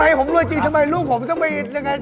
ให้ผมรวยจริงทำไมลูกผมต้องไปยังไง